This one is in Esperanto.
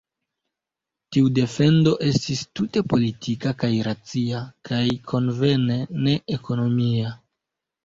Tiu defendo estis tute politika kaj racia, kaj konvene ne-ekonomia.